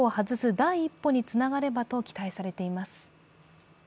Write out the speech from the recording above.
第一歩につながればと期待されています。